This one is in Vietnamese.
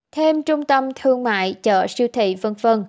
thêm trung tâm thương mại chợ siêu thị v v